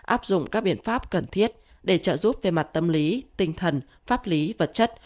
áp dụng các biện pháp cần thiết để trợ giúp về mặt tâm lý tinh thần pháp lý vật chất